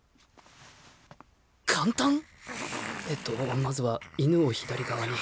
えとまずは犬を左側に。